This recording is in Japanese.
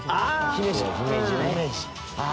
姫路。